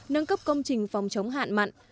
nâng cấp công trình phòng chống hạn mặn